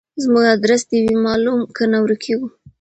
زموږ ادرس دي وي معلوم کنه ورکیږو